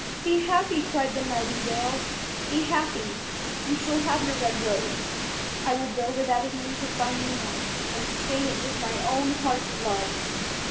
"Be happy," cried the Nightingale, "be happy; you shall have your red rose. I will build it out of music by moonlight, and stain it with my own heart's blood.